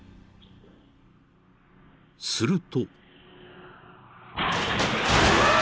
［すると］